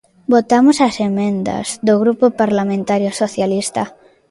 Votamos as emendas do Grupo Parlamentario Socialista.